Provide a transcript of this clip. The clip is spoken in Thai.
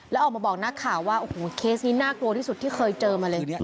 แล้วออกมาบอกนักข่าวว่าโอ้โหเคสนี้น่ากลัวที่สุดที่เคยเจอมาเลย